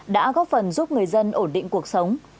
đã góp phần giúp người dân ổn định cuộc sống